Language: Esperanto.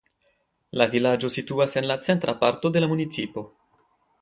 La vilaĝo situas en la centra parto de la municipo.